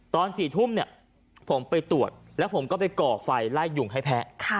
ตอน๔ทุ่มเนี่ยผมไปตรวจแล้วผมก็ไปก่อไฟไล่ยุงให้แพ้